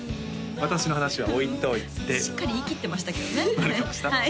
私の話は置いといてしっかり言いきってましたけどねバレてました？